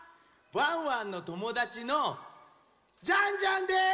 ワンワンのともだちのジャンジャンです！